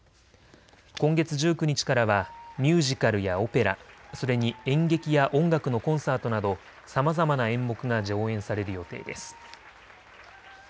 今月１９日からはミュージカルやオペラ、それに演劇や音楽のコンサートなどさまざまな演目が上演される予定です。